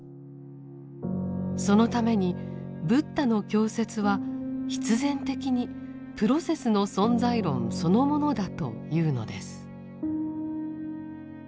そのためにブッダの教説は必然的に「プロセスの存在論」そのものだというのです。